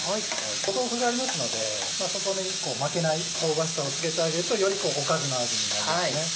豆腐がありますのでそこで一個負けない香ばしさをつけてあげるとよりおかずの味になりますね。